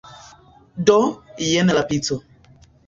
Do, jen la pico